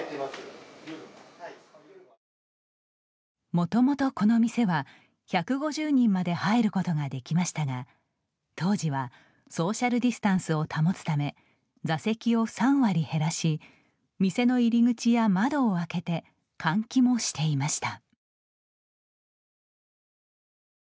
もともとこの店は１５０人まで入ることができましたが当時はソーシャルディスタンスを保つため、座席を３割減らし店の入り口や窓を開けて換気もしていました。